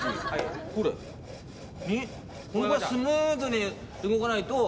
スムーズに動かないと。